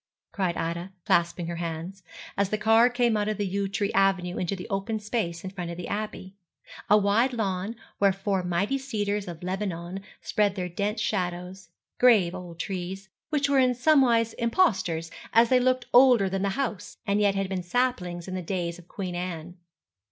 cried Ida, clasping her hands, as the car came out of the yew tree avenue into the open space in front of the Abbey; a wide lawn, where four mighty cedars of Lebanon spread their dense shadows grave old trees which were in somewise impostors, as they looked older than the house, and yet had been saplings in the days of Queen Anne.